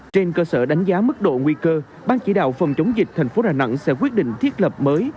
trên cơ sở đánh giá mức độ nguy cơ ban chỉ đạo phòng chống dịch thành phố đà nẵng sẽ quyết định thiết lập mới